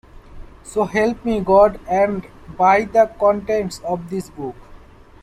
So help me God, and by the contents of this Book.